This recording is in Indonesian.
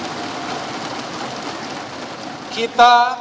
negara harus melindungi kaum minoritas tanpa menomoduakan kaum minoritas